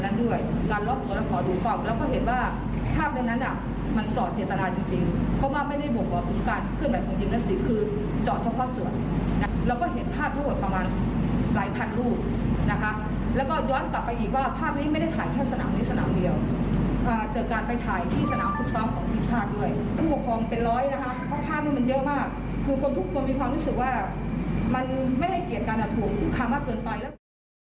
คือคนทุกคนมีความรู้สึกว่ามันไม่ได้เกียรติการนัดถูกค้ามากเกินไป